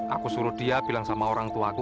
aku suruh dia bilang sama orangtuaku